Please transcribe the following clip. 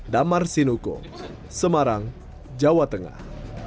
damar sinuko semarang jawa tengah